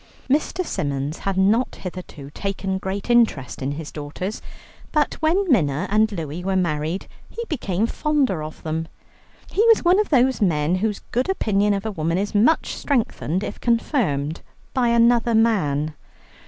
Mr. Symons had not hitherto taken great interest in his daughters, but when Minna and Louie were married, he became fonder of them. He was one of those men whose good opinion of a woman is much strengthened if confirmed by another man.